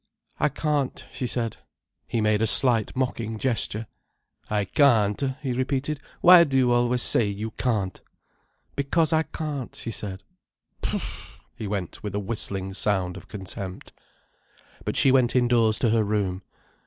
"I can't," she said. He made a slight, mocking gesture. "'I can't,'" he repeated. "Why do you always say you can't?" "Because I can't," she said. "Pff—!" he went, with a whistling sound of contempt. But she went indoors to her room.